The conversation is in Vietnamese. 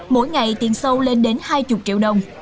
mỗi ngày tiền sâu lên đến hai mươi triệu đồng